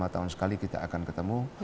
lima tahun sekali kita akan ketemu